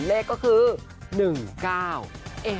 และเลขก็คือ๑๙